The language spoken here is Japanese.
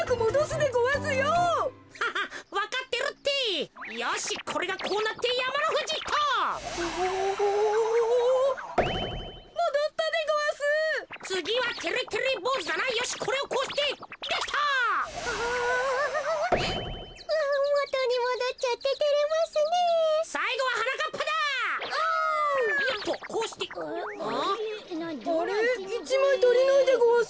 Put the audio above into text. １まいたりないでごわす。